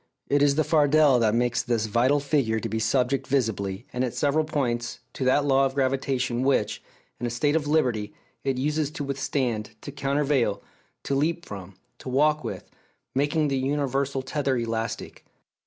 It is the fardel that makes this vital figure to be subject visibly, and at several points, to that law of gravitation which, in a state of liberty, it uses to withstand, to countervail, to leap from, to walk with, making the universal tether elastic.